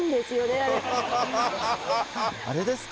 あれあれですか？